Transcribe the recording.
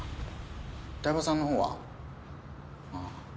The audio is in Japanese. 台場さんのほうは？ああ。